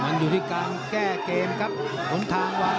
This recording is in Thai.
มันอยู่ที่กลาง